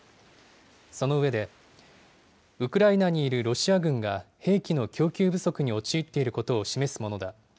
その上で、ウクライナにいるロシア軍が兵器の供給不足に陥っていることを示すものだ。